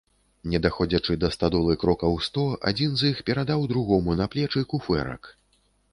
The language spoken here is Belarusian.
Не даходзячы да стадолы крокаў сто, адзін з іх перадаў другому на плечы куфэрак.